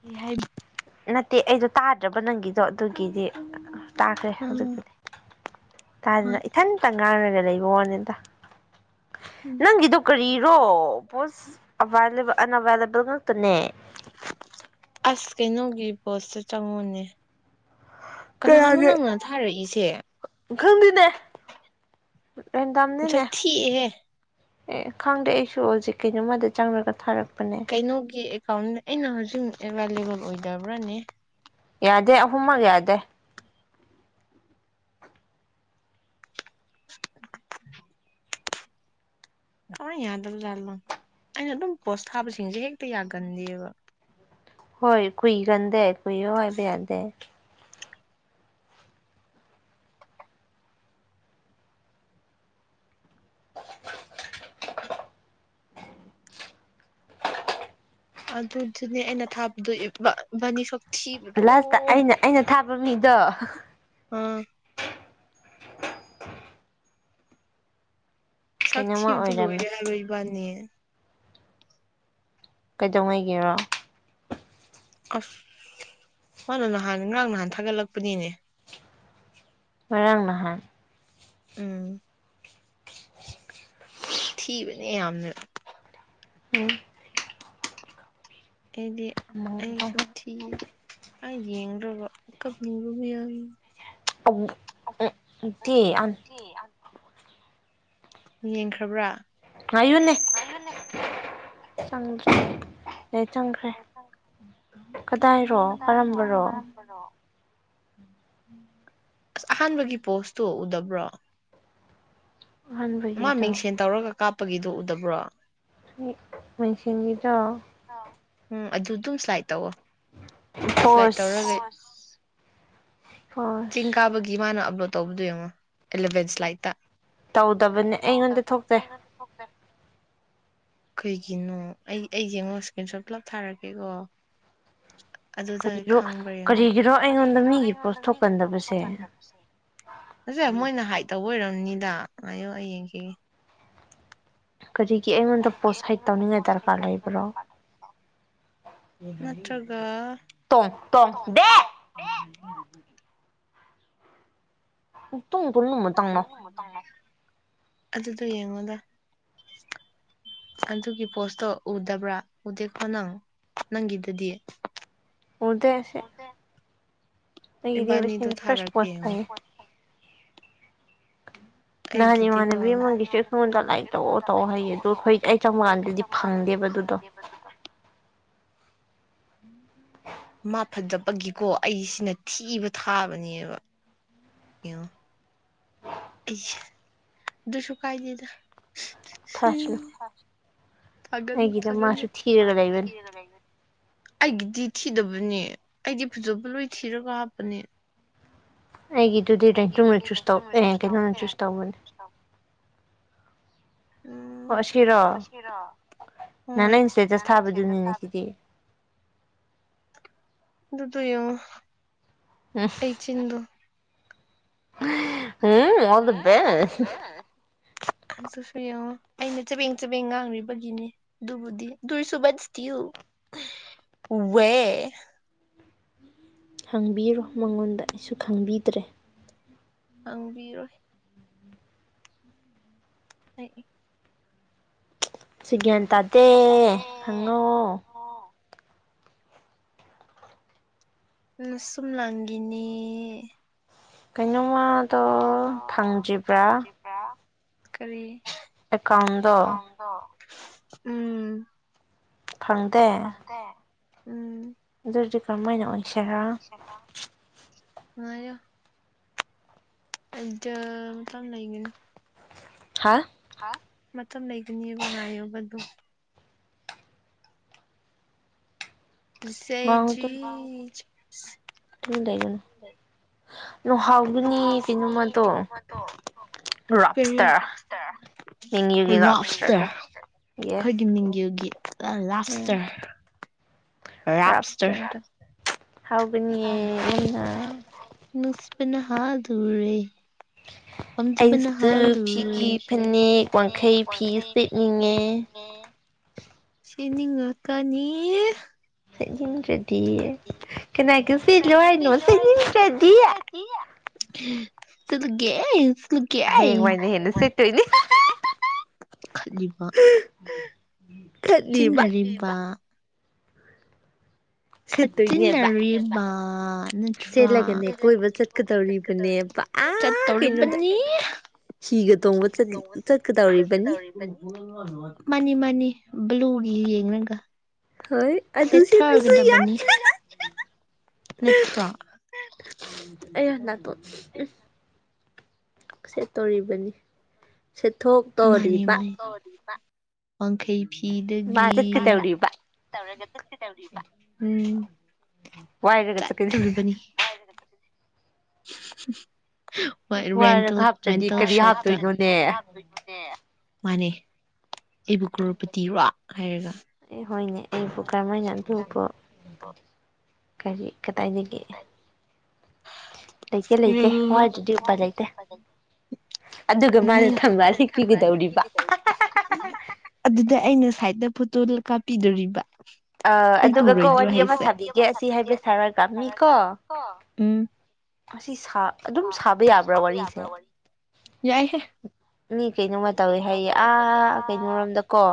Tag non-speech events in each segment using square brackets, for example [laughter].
ꯀꯩ ꯍꯥꯏꯕ ꯅꯠꯇꯦ ꯑꯩꯗꯣ ꯇꯥꯗ꯭ꯔꯕ ꯅꯪꯒꯤꯗꯣ ꯑꯗꯨꯒꯤꯗꯤ ꯇꯥꯈ꯭ꯔꯦ ꯎꯝ ꯍꯧꯖꯤꯛꯄꯨꯗꯤ ꯇꯥꯗꯅ ꯍꯣꯏ ꯏꯊꯟ ꯇꯪ ꯉꯥꯔꯅꯦ ꯂꯩꯕꯋꯥꯅꯤꯗ ꯎꯝ ꯅꯪꯒꯤꯗꯣ ꯀꯔꯤ ꯔꯣ ꯄꯣꯁ ꯑꯟꯑꯕꯥꯏꯂꯦꯕꯜ ꯉꯇꯅꯦ ꯑꯁ ꯀꯩꯅꯣꯒꯤ ꯄꯣꯁꯇꯨ ꯆꯪꯉꯨꯅꯦ ꯀꯅꯥꯅꯣ ꯅꯪꯅ ꯊꯥꯔꯛꯏꯁꯦ [unintelligible] ꯈꯪꯗꯤꯅꯦ [unintelligible] ꯊꯤꯍꯦ ꯑꯦ ꯈꯪꯗꯦ ꯑꯩꯁꯨ ꯍꯧꯖꯤꯛ ꯀꯩꯅꯣꯃꯗ ꯆꯪꯉꯒ ꯊꯥꯔꯛꯄ ꯀꯩꯅꯣꯒꯤ ꯑꯦꯀꯥꯎꯟ ꯑꯩꯅ ꯍꯧꯖꯤꯛ ꯑꯦꯕꯥꯏꯂꯦꯕꯜ ꯑꯣꯏꯗꯕ꯭ꯔꯥꯅꯦ ꯌꯥꯗꯦ ꯑꯍꯨꯝꯃꯛ ꯌꯥꯗꯦ ꯍ ꯌꯥꯗ꯭ꯔ ꯌꯥꯜꯂꯣ ꯑꯩꯅ ꯑꯗꯨꯝ ꯄꯣꯁ ꯊꯥꯕꯁꯤꯡꯁꯦ ꯍꯦꯛꯇ ꯌꯥꯒꯟꯗꯦꯕ ꯍꯣꯏ ꯀꯨꯏꯒꯟꯗꯦ ꯀꯨꯏꯌꯣ ꯍꯥꯏꯕ ꯌꯥꯗꯦ ꯑꯗꯨꯗꯨꯅꯦ ꯑꯩꯅ ꯊꯥꯗꯕꯥꯅꯤ ꯂꯥꯁꯇ ꯑꯩꯅ ꯑꯩꯅ ꯊꯥꯕ ꯃꯤꯗꯣ ꯍ ꯁꯥꯛ ꯀꯩꯅꯣꯝꯃ ꯊꯤꯕꯗꯤ ꯑꯣꯏꯔꯝꯃꯦ ꯂꯣꯏꯔꯦ ꯍꯥꯏꯕ ꯏꯕꯥꯅꯤ ꯀꯩꯗꯧꯉꯩꯒꯦꯔꯣ ꯑꯁ ꯃꯥꯅ ꯅꯍꯥꯟ ꯉꯔꯥꯡ ꯅꯍꯥꯟ ꯊꯥꯒꯠꯂꯛꯄꯅꯤꯅꯦ ꯃꯥꯡ ꯅꯍꯥꯟ ꯎꯝ ꯊꯕꯅꯦ ꯌꯥꯝꯅ ꯎꯝ ꯑꯦꯗꯤ ꯎꯝ ꯑꯩꯁꯨ ꯊ ꯑ ꯌꯦꯡ꯭ꯔ ꯀꯕꯕ ꯌꯥꯔ ꯑꯣ ꯎꯝ ꯊ ꯑ ꯌꯦꯡꯈ꯭ꯔꯕ꯭ꯔꯥ ꯑꯌꯨꯅꯦ ꯑꯌꯨꯅꯦ ꯁꯥꯡ ꯅ ꯆꯪꯈ꯭ꯔꯦ ꯀꯗꯥꯏꯔꯣ ꯍꯥꯏꯔꯣ ꯀꯔꯝꯕꯔꯣ ꯀꯔꯝꯕꯅꯣ ꯎꯝ ꯑꯁ ꯑꯍꯥꯟꯕꯒꯤ ꯄꯣꯁꯇꯣ ꯎꯗꯕ꯭ꯔꯣ ꯃꯥ ꯑꯍꯥꯟꯕꯒꯤꯗꯣ ꯃꯤꯡꯁꯦꯟ ꯇꯧꯔꯒ ꯀꯥꯞꯄꯒꯤꯗꯨꯣ ꯎꯗꯕ꯭ꯔꯣ ꯃꯁꯤꯒꯤꯗꯣ ꯎꯝ ꯑꯗꯨ ꯑꯗꯨꯝ ꯁ꯭ꯂꯥꯏ ꯇꯧꯑꯣꯣ ꯄꯁ ꯆꯤꯡ ꯀꯥꯕꯒꯤ ꯒꯤ ꯃꯥꯥꯟꯅ ꯑ ꯇꯧꯕꯗꯨ ꯌꯦꯡꯉꯣ ꯑꯦꯂꯚꯦꯟꯁ ꯂꯥꯏꯠꯇ ꯇꯧꯗꯕꯅꯦ ꯑꯩꯉꯣꯟꯗ ꯊꯣꯛꯇꯦ ꯀꯩꯒꯤꯅꯣ ꯑꯩ ꯑꯩ ꯌꯦꯡꯉꯣ ꯏꯁꯀ꯭ꯔꯤꯟ ꯁꯣꯠ ꯄꯨꯂꯞ ꯊꯥꯔꯀꯦꯀꯣ ꯀꯔꯤꯔꯣ ꯀꯔꯤꯒꯤꯔꯣ ꯑꯩꯉꯣꯟꯗ ꯃꯤꯒꯤ ꯄꯣꯁ ꯊꯣꯛꯀꯅꯤ ꯑꯁꯦ ꯃꯣꯏꯅ ꯍꯥꯏ ꯇꯧꯕ ꯑꯣꯏꯔꯝ ꯅꯤꯗ ꯑꯌꯨ ꯑꯩ ꯌꯦꯡꯈꯤ ꯀꯔꯤꯒꯤ ꯑꯩꯉꯣꯟꯗ ꯄꯣꯁ ꯍꯠ ꯇꯧꯅꯤꯡꯉꯥꯏ ꯗꯔꯀꯥꯔ ꯂꯩꯕ꯭ꯔꯣ ꯅꯠꯇ꯭ꯔꯒ ꯌꯦꯡꯍꯟꯅꯤꯡꯗꯕꯒꯤ ꯇꯣꯡ ꯇꯣꯡ ꯗꯦ ꯎ ꯇꯨꯡ ꯇꯨꯡꯂꯃꯇꯪꯅꯣ ꯑꯗꯨꯗꯣ ꯌꯦꯡꯉꯣꯗ ꯑꯗꯨꯒꯤ ꯄꯣꯁꯇꯣ ꯎꯗꯕ꯭ꯔꯥ ꯎꯗꯦꯀꯣ ꯅꯪ ꯅꯪꯒꯤꯗꯗꯤ ꯎꯗꯦꯁꯦ ꯑꯩꯗꯤ ꯏꯕꯥꯅꯤꯗꯣ ꯐꯁ ꯊꯥꯔꯛꯀꯦ ꯄꯣꯁ ꯌꯦꯡꯉꯣ ꯂꯩꯌꯦ ꯅꯍꯥꯟ ꯑꯩꯒꯤꯗꯤꯀꯣ ꯏꯃꯥꯟꯅꯕꯤ ꯑꯃꯒꯤꯁꯨ ꯑꯩꯉꯣꯟꯗ ꯂꯥꯏꯔꯤꯛ ꯃꯤ ꯇꯧꯑꯣ ꯐꯣꯟꯗ ꯇꯧꯑꯣ ꯂꯥꯏꯛ ꯍꯥꯏꯌꯦ ꯇꯧ ꯑꯗꯨ ꯇꯧ ꯑꯩꯈꯣꯏ ꯍꯥꯢ ꯑꯩ ꯀꯩ ꯀꯩ ꯆꯪꯕꯀꯥꯟꯗꯗꯤ ꯇꯧ ꯀꯥꯟꯗꯗꯤ ꯐꯪꯗꯦꯕ ꯑꯗꯨꯗꯣ ꯐꯪꯗꯦꯕ ꯑꯗꯨꯗ ꯃꯥꯐꯠꯇꯕꯒꯤꯀꯣ ꯑꯩꯁꯤꯅ ꯊꯤꯕ ꯊꯥꯕꯅꯦꯕ ꯌꯦꯉꯣ ꯑꯗꯨꯁꯨ ꯀꯥꯏꯗꯦꯗ ꯊꯥꯁꯅꯨ ꯍ ꯊꯥꯒꯠꯂꯣ ꯑꯩꯒꯤꯗ ꯊꯥꯒꯠꯂꯣ ꯃꯥꯁꯨ ꯊꯤꯔꯒ ꯂꯩꯕꯅꯤ ꯑꯩꯒꯤ ꯗꯤ ꯊꯤꯗꯕꯅꯦ ꯑꯩꯗꯤ ꯐꯖꯕ ꯂꯣꯏ ꯊꯤꯔꯒ ꯍꯥꯞꯄꯅꯦ ꯑꯩꯒꯤꯗꯨꯗꯤ ꯀꯦꯟꯇꯅ ꯆꯨꯁ ꯇꯧ ꯑꯦ ꯀꯩꯅꯣꯝꯗ ꯆꯨꯁ ꯇꯧꯕꯅꯦ ꯎꯝ ꯑꯣ ꯁꯤꯔꯣ ꯅꯪ ꯍꯣꯏ ꯅꯪ ꯏꯟꯁꯇꯦꯇꯁ ꯊꯥꯕꯗꯨꯅꯤꯅꯦ ꯁꯤꯗꯤ ꯑꯗꯨꯗꯣ ꯌꯦꯡꯉꯣ ꯎꯝ ꯑꯩ ꯆꯤꯟꯗꯣ ꯑꯣꯜ ꯗ ꯕꯦꯁ ꯎꯝ ꯁꯤꯁꯨ ꯌꯦꯡꯉꯣ ꯑꯩꯅ ꯆꯕꯦꯡ ꯆꯕꯦꯡ ꯉꯥꯡꯔꯤꯕꯒꯤꯅꯤ ꯑꯗꯨꯕꯨꯗꯤ ꯗꯨꯔꯁꯨꯨꯕꯠ ꯏꯁꯇꯤꯜ ꯋꯦ ꯍꯪꯕꯤꯔꯣ ꯃꯉꯣꯟꯗ ꯑꯩꯁꯨ ꯈꯪꯕꯤꯗ꯭ꯔꯦ ꯍꯥꯡꯕꯤꯔꯣꯏ ꯑꯩ ꯁꯤꯒ꯭ꯌꯥꯟ ꯇꯥꯗꯦ ꯍꯪꯉꯣ ꯅꯁꯨꯝ ꯂꯥꯡꯒꯤꯅꯤ ꯀꯩꯅꯣꯃꯗꯣ ꯐꯪꯗ꯭ꯔꯤꯕ꯭ꯔꯥ ꯀꯔꯤ ꯑꯦꯀꯥꯎꯟꯗꯣ ꯎꯝ ꯐꯪꯗꯦ ꯎꯝ ꯑꯗꯨꯗꯤ ꯀꯔꯝꯍꯥꯏꯅ ꯑꯣꯏꯁꯤꯔꯥ ꯉꯥꯢꯌꯣ ꯑꯩꯗꯝ ꯂꯩꯒꯅꯤ ꯍꯥ ꯃꯇꯝ ꯂꯩꯕꯅꯤ ꯉꯥꯏꯌꯣꯕ ꯗꯨꯝ ꯇꯨꯁꯦꯖꯤ [inaudible] ꯇꯨꯝ [unintelligible] ꯅ ꯔꯥꯞꯁꯇꯔ [inaudible] ꯃꯦꯡꯒꯤꯒꯤ ꯔꯣꯞꯁꯇꯔ ꯔꯥꯞꯁꯇꯔꯗꯣ ꯌꯦꯁ ꯑꯩꯈꯣꯏꯒꯤ ꯃꯤꯡꯒꯤꯜꯒꯤ ꯎꯝ ꯂꯞꯇꯔ ꯔꯥꯞꯁꯇꯔ ꯍꯥꯎꯒꯅꯤꯌꯦ ꯑꯅ ꯄꯅ ꯍꯥꯥꯗꯨꯔꯦ ꯄꯝꯖꯕꯅ ꯑꯩꯁꯨ ꯍꯜꯂꯨꯔꯦ ꯐꯤꯒꯤ ꯐꯅꯦꯛ ꯋꯥꯡꯈꯩ ꯐꯤ ꯋꯥꯡꯈꯩ ꯐꯤ ꯁꯦꯠꯅꯤꯡꯉꯦ ꯁꯠꯅꯤꯡꯉꯦ ꯁꯤꯅꯤꯡꯉ ꯀꯅꯤ ꯁꯦꯠꯅꯤꯡꯗ ꯗꯤ ꯀꯅꯥ ꯀꯁꯤ ꯂꯋꯥꯏ ꯅꯣꯁꯤ ꯁꯦꯠꯅꯤꯡꯗꯔ꯭ꯗꯤ ꯁꯤꯗꯒꯦ ꯍꯌꯦꯡꯋꯥꯏꯅ ꯍꯦꯟꯅ ꯁꯤꯠꯇꯣꯏꯅꯦ ꯈꯠꯂꯤꯕ [inaudible] ꯈꯠꯂꯤꯕ ꯈꯠꯆꯤꯟꯅꯔꯤꯕ ꯁꯦꯠꯇꯣꯏꯅꯦꯕ ꯈꯠꯆꯤꯟꯅꯔꯨꯏꯕ ꯑꯥ ꯁꯦꯠꯂꯒꯅꯦ ꯀꯣꯏꯕ ꯆꯠꯀꯗꯧꯔꯤꯕꯅꯦ ꯑ ꯑꯥ ꯀꯩꯅꯣꯗ ꯆꯠꯇꯧꯔꯤꯕꯅꯤ ꯍꯤꯒ ꯇꯣꯡꯕ ꯆꯠꯀꯗꯧꯔꯤꯕꯅꯤ ꯅꯤ ꯕ꯭ꯂꯨꯔꯤ ꯌꯦꯡꯂꯦꯒ ꯍꯣꯏ ꯑꯗꯨꯁꯤ ꯌꯥꯏ ꯅꯠꯇ꯭ꯔꯥ ꯑꯌꯥ ꯅꯥꯇꯣꯟ ꯎꯝ ꯁꯦꯠ ꯇꯧꯔꯤꯕꯅꯤ ꯃꯥꯅꯤ ꯁꯦꯊꯣꯛꯇꯣꯔꯤꯕ ꯃꯥꯅꯤ ꯋꯥꯡꯈꯩ ꯐꯤꯗꯒꯤ ꯆꯠꯀꯗꯧꯔꯤꯕ ꯎꯝ ꯋꯥꯏꯔꯒ ꯆꯠꯀꯅꯤ ꯆꯠꯇꯣꯔꯤꯕꯅꯤ [inaudible] ꯍꯣꯏ ꯔꯦꯟꯇꯦꯜ ꯋꯥꯏꯔꯒ ꯍꯥꯞꯇ꯭ꯔꯗꯤ ꯔꯦꯟꯇꯦꯜ ꯀꯔꯤ ꯁꯣꯞꯇ ꯍꯥꯞꯇꯣꯏꯅꯣꯅꯦ ꯑꯦ ꯃꯥꯅꯦ ꯑꯩꯕꯨ ꯀꯔꯣꯄꯇꯤꯔꯣ ꯍꯥꯏꯔꯒ ꯑꯦ ꯍꯣꯏꯅꯦ ꯑꯩꯕꯨ ꯀꯔꯝꯍꯥꯏꯅ ꯑꯗꯨꯕꯨ ꯀꯔꯤ ꯀꯗꯥꯥꯏꯗꯒꯤꯗꯒꯤꯦ ꯋꯥꯏꯗ꯭ꯔꯗꯤ ꯎꯄꯥꯏ ꯂꯩꯇꯦ ꯑꯗꯨꯒ ꯎꯝ ꯃꯥꯅ ꯊꯝꯕꯥꯜ ꯍꯦꯛꯄꯤꯒꯗꯧꯔꯤꯕ ꯑꯗꯨꯗ ꯑꯩꯅ ꯁꯥꯏꯗ ꯐꯣꯇꯣꯜ ꯀꯥꯞꯄꯤꯗꯣꯔꯤꯕ ꯑ ꯑꯩ ꯑꯗꯨꯒ ꯀꯣ ꯄꯨꯔꯣꯏꯗ꯭ꯔꯣ ꯋꯥꯔꯤ ꯑꯃ ꯍꯥꯏꯁꯦ ꯁꯥꯕꯤꯒꯦ ꯑꯁꯤ ꯍꯥꯏꯕ ꯁꯥꯔ ꯀꯥꯝꯃꯤꯀꯣ ꯎꯝ ꯁꯤ ꯑꯗꯨꯝ ꯁꯥꯕ ꯌꯥꯕ꯭ꯔꯥ ꯋꯥꯔꯤꯁꯦ ꯌꯥꯏ ꯍꯦ ꯃꯤ ꯀꯩꯅꯣꯃ ꯇꯧꯋꯤ ꯍꯥꯏꯌꯦ ꯑꯥ ꯀꯩꯅꯣꯣꯔꯣꯝꯗꯀꯣ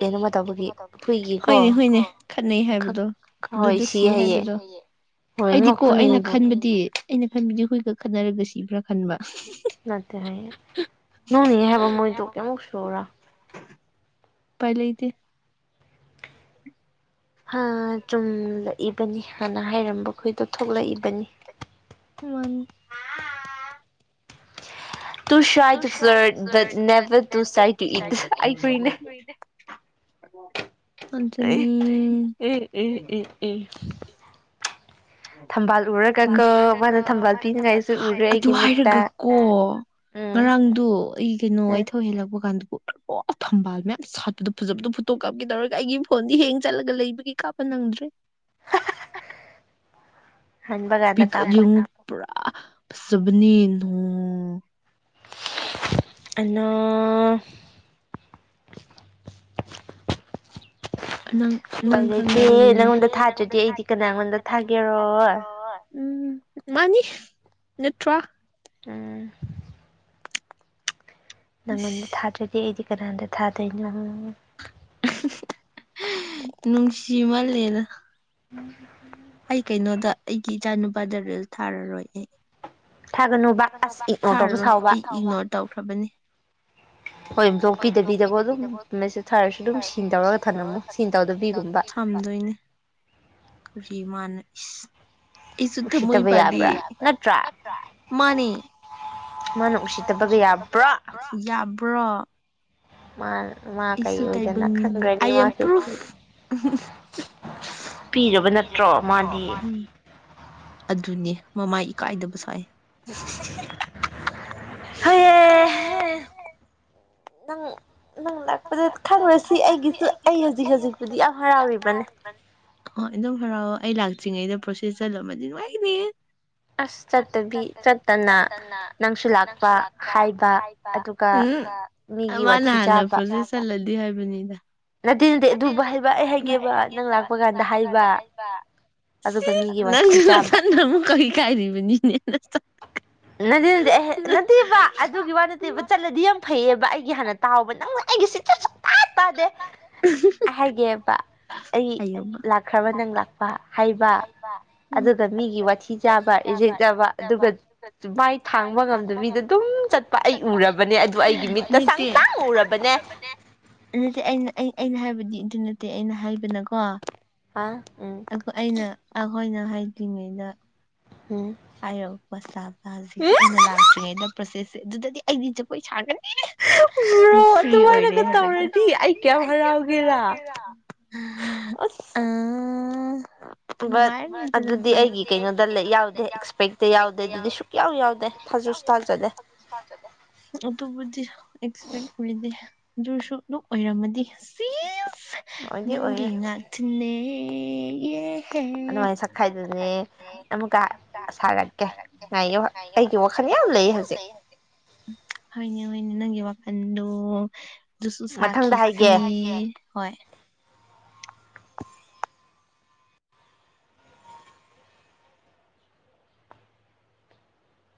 ꯀꯩꯅꯣꯃ ꯇꯧꯕꯒꯤ ꯍꯨꯏꯒꯤꯀꯣ ꯍꯣꯏꯅꯦ ꯍꯣꯏꯅꯦ ꯈꯠꯅꯩ ꯈꯛ ꯍꯥꯏꯕꯗꯣ ꯍꯣꯏ ꯑꯗꯨꯗ ꯁꯤ ꯍꯥꯏꯌꯦ ꯍꯥꯏꯕꯗꯣ ꯍꯣꯏ ꯑꯩꯗꯤꯀꯣ ꯑꯩꯅ ꯉꯛꯄꯅꯦꯗꯣ ꯈꯟꯕꯗꯤ ꯑꯩꯅ ꯈꯟꯕꯗꯤ ꯍꯨꯣꯏꯒ ꯈꯠꯟꯅꯔꯒ ꯁꯤꯕ꯭ꯔꯥ ꯈꯟꯕ ꯅꯠꯇꯦ ꯍꯥꯏꯌꯦ ꯅꯣꯡꯅꯦ ꯍꯥꯏꯕ ꯃꯣꯏꯗꯨ ꯀꯩꯃꯨꯛ ꯁꯨꯔ ꯎꯄꯥꯏ ꯂꯩꯇꯦ ꯍꯥ ꯆꯨꯝꯂꯛꯏꯕꯅꯤ ꯍꯥꯟꯅ ꯍꯥꯏꯔꯝꯕ ꯈꯣꯏꯗꯣ ꯊꯣꯛꯂꯛꯏꯕꯅꯤ ꯋꯥ ꯇꯨ ꯁꯥꯏ two flirt but never two ꯁꯥꯏ ꯇꯨ ꯇꯗ ꯏꯠ ꯑꯩ ꯍꯨꯏꯅꯦ ꯑꯣ ꯑꯦ ꯑꯦ ꯎꯔꯒꯀꯣ ꯃꯥꯅ ꯊꯝꯕꯥꯜ ꯄꯤꯅꯤꯡꯉꯥꯏꯁꯨ ꯎꯔꯦ ꯑꯗꯨ ꯑꯩꯒꯤ ꯃꯤꯠꯇ ꯍꯥꯏꯔꯒ ꯀꯣ ꯎꯝ ꯉꯔꯥꯡꯗꯣ ꯑꯩ ꯀꯩꯅꯣ ꯎꯝ ꯑꯩ ꯊꯣꯏꯍꯦꯜꯂꯛꯄ ꯀꯥꯟꯗ ꯊꯝꯕꯥꯜ ꯃꯌꯥꯝ ꯁꯥꯠꯄꯗ ꯐꯖꯕꯗꯣ ꯐꯣꯇꯣ ꯀꯥꯞꯀꯦ ꯇꯧꯔꯒ ꯑꯩꯒꯤ ꯐꯣꯟꯗꯤ ꯍꯦꯡ ꯆꯠꯂꯒ ꯂꯩꯕꯒꯤ ꯀꯥꯞꯄ ꯅꯪꯗ꯭ꯔꯦ ꯍꯟꯕ ꯄꯤ ꯀꯥꯟꯗ ꯑ ꯀꯥꯞꯄꯣ ꯁꯅꯤ ꯑꯅꯥ ꯅꯪ ꯅꯪ ꯂꯩꯇꯦ ꯈꯪꯗꯕꯒꯤꯅꯦꯍꯦ ꯅꯪꯉꯣꯟꯗ ꯊꯥꯗ꯭ꯔꯗꯤ ꯑꯩꯗꯤ ꯊꯥꯗ꯭ꯔꯁꯦ ꯑꯩꯗꯤꯦ ꯀꯅꯥꯉꯣꯟꯗ ꯀꯅꯥꯒꯣꯗ ꯊꯥꯒꯦꯔ ꯊꯥꯒꯦꯔꯣ ꯎꯝ ꯃꯥꯅꯤ ꯅꯠꯇ꯭ꯔ ꯎ ꯅꯪꯉꯣꯟꯗ ꯑꯁ ꯊꯥꯗ꯭ꯔꯗꯤ ꯑꯩꯗꯤ ꯀꯔꯦꯟꯗ ꯀꯊꯥ ꯇꯉꯨꯡꯍ ꯅꯨꯡꯁꯤ ꯃꯥꯜꯂꯦꯅ ꯎꯝ ꯑꯩ ꯀꯩꯅꯣꯗ ꯑꯩꯒꯤ ꯏꯆꯥ ꯅꯨꯨꯄꯥ ꯔꯦꯜ ꯊꯥꯔꯔꯣꯏ ꯑꯦ ꯊꯥꯒꯅꯨꯕ ꯑꯁ ꯏꯛꯅꯣꯔ ꯇꯧꯕ ꯊꯥꯔꯣꯏ ꯁꯥꯎꯕ ꯑꯩꯣ ꯍꯣꯏ ꯕ꯭ꯂꯣꯛꯄꯤꯗꯕꯤꯗꯀꯣ ꯑꯗꯨꯝ ꯃꯦꯁꯦꯖ ꯊꯥꯔꯁꯨ ꯑꯗꯨꯝ ꯁꯤꯟ ꯇꯧꯔꯒ ꯊꯅꯝꯃꯨ ꯁꯤꯟ ꯇꯧꯗꯕꯤꯒꯨꯝꯕ ꯇꯧꯈ꯭ꯔꯕꯅꯤꯣꯏꯗꯣꯏꯅꯦ ꯀꯔꯤ ꯃꯥꯅ [inaudible] ꯑꯩꯁꯨ ꯊ ꯃꯣꯏ ꯎꯁꯤꯠꯇꯕ ꯌꯥꯕ꯭ꯔꯥ ꯅꯠꯇ꯭ꯔꯥ ꯄꯤ꯭ꯔ ꯃꯥꯅ ꯎꯁꯤꯠꯇꯕꯒ ꯌꯥꯕ꯭ꯔꯥ [inaudible] ꯭ꯔꯣ ꯃꯥ ꯀꯩ ꯑꯣꯏꯗꯅ ꯃꯤꯅꯤ ꯈꯟꯈ꯭ꯔꯅꯤ ꯑꯥꯏ ꯑꯦꯝ ꯃꯥꯁꯨ ꯄ꯭ꯔꯨꯐ ꯄꯤꯔꯕ ꯅꯠꯇ꯭ꯔꯣ ꯃꯥꯗꯤ ꯎꯝ ꯑꯗꯨꯅꯦ ꯃꯃꯥꯏ ꯏꯀꯥꯏꯗꯕ ꯁꯥꯏ ꯍ ꯍꯩꯍꯦ ꯅꯪ ꯅꯪ ꯂꯥꯛꯄꯗ ꯈꯪꯉꯨꯔꯁꯤ ꯑꯩꯒꯤꯁꯨ ꯑꯩ ꯍꯧꯖꯤꯛ ꯍꯧꯖꯤꯛꯄꯨꯗꯤ ꯌꯥꯝ ꯍꯔꯥꯎꯔꯤꯕꯅꯦ ꯍꯣꯏ ꯑꯗꯨꯝ ꯍꯔꯥꯎ ꯑꯩ ꯂꯥꯛꯇ꯭ꯔꯤꯉꯩꯗ ꯄ꯭ꯔꯣꯁꯦꯁ ꯆꯠꯂꯃꯗꯤ ꯅꯨꯡꯉꯥꯏꯇꯦ ꯑꯁ ꯆꯠꯇꯕꯤ ꯆꯠꯇꯅ ꯅꯪꯁꯨ ꯂꯥꯛꯄ ꯍꯥꯏꯕ ꯑꯗꯨꯒ ꯃꯤꯒꯤ ꯋꯥꯊꯤ ꯆꯥꯕ ꯐꯖꯦ ꯆꯜꯂꯗꯤ ꯍꯥꯏꯕꯅꯤꯗ ꯅꯠꯇꯦ ꯅꯠꯇꯗꯤ ꯑꯗꯨꯕꯨ ꯍꯥꯏꯕ ꯑꯩ ꯍꯥꯏꯒꯦꯕ ꯅꯪ ꯂꯥꯛꯄ ꯀꯥꯟꯗ ꯑꯗꯨꯒ ꯃꯤꯒꯤ ꯋꯥꯊꯤ ꯍꯥꯏꯕ ꯅꯪ ꯀꯥꯏꯔꯤꯕꯅꯤꯅꯦ ꯅꯗꯤ ꯅꯗꯤ ꯑꯩ ꯅꯠꯇꯦꯕ ꯑꯗꯨꯒꯤ ꯋꯥ ꯅꯠꯇꯦꯕ ꯆꯠꯂꯗꯤ ꯌꯥꯝ ꯐꯩꯌꯦꯕ ꯑꯩꯒꯤ ꯍꯥꯟꯅ ꯇꯥꯎꯕ ꯅꯪꯅ ꯑꯩꯒꯤ ꯁꯤ ꯁꯊꯥ ꯇꯥꯗꯦ ꯍꯥꯏꯒꯦꯕ ꯑꯩ ꯍꯥꯏꯌꯣꯕ ꯂꯥꯛꯈ꯭ꯔꯕ ꯅꯪ ꯂꯥꯛꯄ ꯍꯥꯏꯩꯕ ꯎꯝ ꯑꯗꯨꯒ ꯃꯤꯒꯤ ꯋꯥꯊꯤ ꯆꯥꯕ ꯏꯖꯦꯛꯆꯕ ꯑꯗꯨꯒ ꯃꯥꯏ ꯊꯥꯡꯕ ꯉꯝꯗꯕꯤꯗ ꯑꯗꯨꯝ ꯆꯠꯄ ꯑꯩ ꯎꯔꯕꯅꯦ ꯑꯗꯨ ꯑꯩꯒꯤ ꯃꯤꯠꯇ ꯆꯪ ꯅꯠꯇꯦ ꯇꯥꯡ ꯎꯔꯕꯅꯦ ꯅꯠꯇꯦ ꯑꯩꯅ ꯑꯩꯅ ꯍꯥꯏꯕꯗꯤ ꯏꯟꯇꯔ ꯅꯠꯇꯦ ꯑꯩꯅ ꯍꯥꯏꯗꯅꯀꯣ ꯑꯥ ꯑꯩꯅ ꯑꯩꯈꯣꯏꯅ ꯍꯥꯏꯗ꯭ꯔꯤꯉꯩꯗ ꯎꯝ ꯍꯥꯏꯔꯄ ꯆꯥꯕ ꯍꯧꯖꯤꯛꯁꯦ ꯑꯩꯅ ꯂꯥꯛꯇ꯭ꯔꯤꯉꯩꯗ ꯄ꯭ꯔꯣꯁꯦꯁ ꯑꯗꯨꯗꯗꯤ ꯑꯩꯗꯤ ꯖꯄꯣꯏ ꯁꯥꯒꯔꯦ ꯑꯩ ꯕ꯭ꯔꯣ ꯐ꯭ꯔꯤ ꯑꯣꯏꯔꯦ ꯑꯗꯨꯃꯥꯏꯅꯒ ꯍꯜꯂ ꯇꯧꯔꯗꯤ ꯑꯩ ꯀꯌꯥꯝ ꯍꯔꯥꯎꯒꯦꯔꯥ ꯍꯥꯎꯒꯦꯔ ꯑꯁ ꯑ ꯕꯠ ꯅꯨꯡꯉꯥꯏꯒꯇ ꯑꯗꯨꯗꯤ ꯑꯩꯒꯤ ꯍꯥꯏ ꯀꯩꯅꯣꯗ ꯀꯩꯅꯣ ꯌꯥꯎꯗꯦ ꯑꯦꯛꯁꯄꯦꯛꯇ ꯌꯥꯎꯗꯦ ꯑꯗꯨꯗꯤ ꯁꯨꯛꯌꯥꯎ ꯌꯥꯎꯗꯦ ꯊꯥꯖꯁꯨ ꯊꯥꯖꯗꯦ ꯑꯗꯨꯕꯨꯗꯤꯁꯗꯤ ꯑꯗꯨꯁꯨ ꯑꯗꯨꯝ ꯑꯣꯏꯔꯝꯃꯗꯤ ꯑꯣꯏꯗꯤ ꯅꯪꯒꯦ ꯑꯣꯏꯔꯦ ꯉꯇꯦ ꯑꯩ ꯎꯝ ꯈꯥꯏ ꯁꯥꯔꯛꯀꯦ ꯉꯥꯏꯒꯤ ꯑꯩꯒꯤ ꯋꯥꯈꯜ ꯌꯥꯝ ꯂꯩ ꯍꯧꯖꯤꯛ ꯏꯅꯪ ꯌ ꯋꯥ ꯑꯗꯨ ꯁꯨ ꯁꯥꯈꯁꯤ ꯃꯊꯪꯗ ꯍꯥꯏꯒꯦ ꯍ